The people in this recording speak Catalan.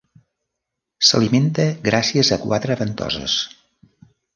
S'alimenta gràcies a quatre ventoses.